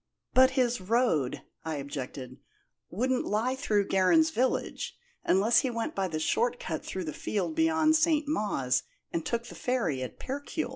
"But his road," I objected, "wouldn't lie through Gerrans village, unless he went by the short cut through the field beyond St. Mawes, and took the ferry at Percuil."